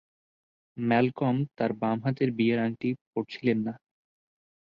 Malcolm তার বাম হাতের বিয়ের আংটি পড়েছিলেন না।